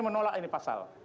menolak ini pasal